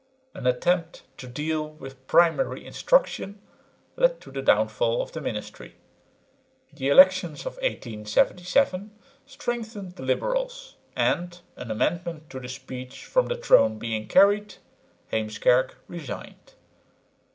An attempt to deal with primary instruction led to the downfall of the ministry. The elections of 1877 strengthened the liberals; and, an amendment to the speech from the throne being carried, Heemskerk resigned.